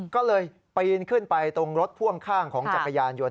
ก็เลยปีนขึ้นไปตรงรถพ่วงข้างของจักรยานยนต